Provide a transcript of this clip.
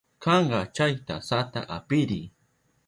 Kanka, chay tasata apiriy.